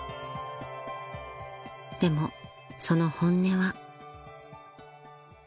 ［でもその本音は］